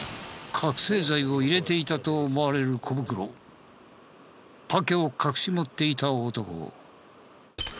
覚醒剤を入れていたと思われる小袋パケを隠し持っていた男。